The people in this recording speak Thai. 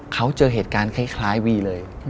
เขาเจอเหตุการณ์คล้ายวีเลย